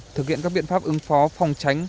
thực hiện các biện pháp ứng phó phòng tránh